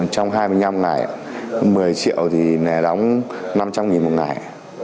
trong hai mươi năm ngày một mươi triệu thì đóng năm trăm linh nghìn một ngày